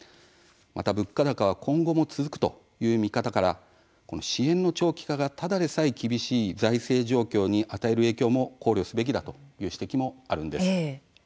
また、物価高は今後も続くという見方から支援の長期化がただでさえ厳しい財政状況に与える影響も考慮すべきだという指摘もあるんです。